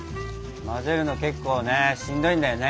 混ぜるの結構ねしんどいんだよね。